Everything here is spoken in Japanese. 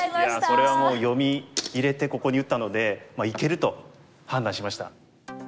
それはもう読み入れてここに打ったのでいけると判断しました。